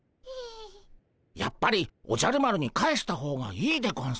やっぱりおじゃる丸に返した方がいいでゴンス。